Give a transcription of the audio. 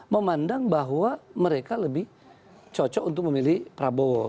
memandang bahwa mereka lebih cocok untuk memilih prabowo